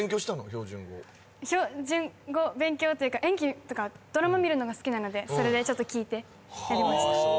標準語標準語勉強というか演技とかドラマ見るのが好きなのでそれでちょっと聞いてやりました